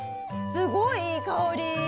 すごいいい香り！